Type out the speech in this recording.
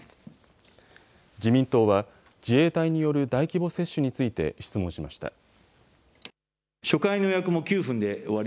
自民党は自衛隊による大規模接種について質問しました。